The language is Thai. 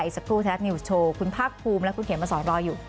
อีกสักครู่แทนแนวส์โชว์คุณภาพภูมิและคุณเขียนมาสอนรออยู่